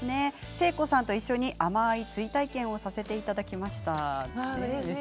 誠子さんと一緒に甘い追体験をさせていただきました。